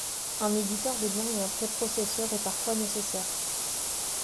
Un éditeur de liens et un préprocesseur est parfois nécessaire.